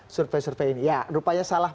survei survei ini ya rupanya salah